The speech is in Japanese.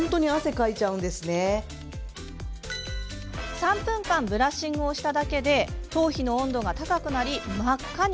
３分間ブラッシングをしただけで頭皮の温度が高くなり真っ赤に。